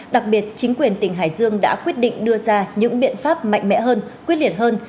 đặc biệt chính quyền tỉnh hải dương đã quyết định đưa ra những biện pháp mạnh mẽ hơn quyết liệt hơn